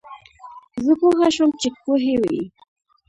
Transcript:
زۀ پوهه شوم چې کوهے وهي